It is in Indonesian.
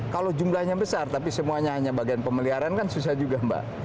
kalau jumlahnya besar tapi semuanya hanya bagian pemeliharaan kan susah juga mbak